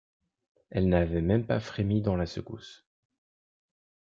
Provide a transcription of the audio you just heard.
Elle n’avait même pas frémi dans la secousse.